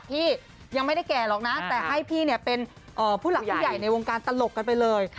พี่ยังไม่ได้แก่หรอกนะแต่ให้พี่เนี่ยเป็นผู้หลักผู้ใหญ่ในวงการตลกกันไปเลย